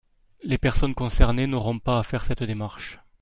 Les personnes concernées n’auront pas à faire cette démarche.